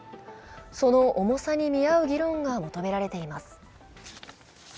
その重さに見合う議論が求められています。